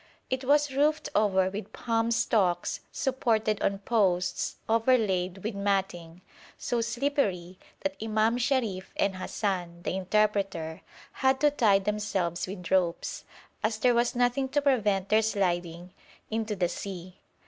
It was roofed over with palm stalks supported on posts overlaid with matting, so slippery that Imam Sharif and Hassan, the interpreter, had to tie themselves with ropes, as there was nothing to prevent their sliding into the sea.